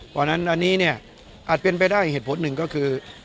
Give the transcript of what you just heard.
เพราะฉะนั้นอันนี้เนี่ยอาจเป็นไปได้เหตุผลหนึ่งก็คือ